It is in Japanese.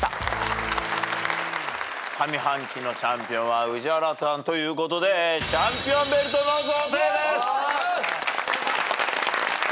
上半期のチャンピオンは宇治原さんということでチャンピオンベルトの贈呈です！